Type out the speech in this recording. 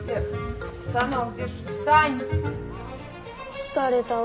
疲れたわあ。